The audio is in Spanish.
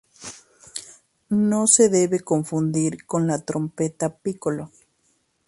No se debe confundir con la trompeta piccolo.